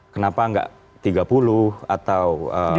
kenapa nggak tiga puluh atau dua puluh lima